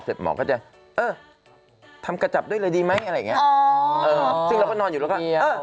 เสร็จหมอก็จะเออทำกระจับด้วยเลยดีไหมอะไรอย่างนี้